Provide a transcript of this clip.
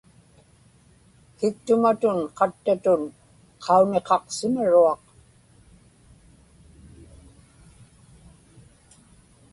kiktumatun qattatun qauniqaqsimaruaq